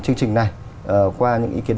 chương trình này qua những ý kiến